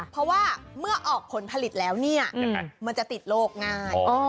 เพราะว่าเมื่อออกผลผลิตแล้วเนี่ยมันจะติดโลกง่าย